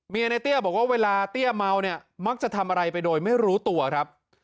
ในเตี้ยบอกว่าเวลาเตี้ยเมาเนี่ยมักจะทำอะไรไปโดยไม่รู้ตัวครับ